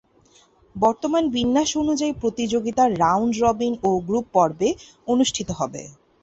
বর্তমান বিন্যাস অনুযায়ী প্রতিযোগিতা রাউন্ড রবিন ও গ্রুপ পর্বে অনুষ্ঠিত হবে।